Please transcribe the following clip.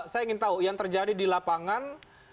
saya ingin tahu yang terjadi di lapangan